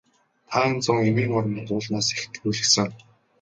Та энэ зун эмийн ургамал уулнаас их түүлгэсэн.